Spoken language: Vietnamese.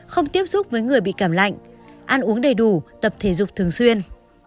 không tiếp xúc với người bị cảm lạnh ăn uống đầy đủ tập thể dục thường xuyên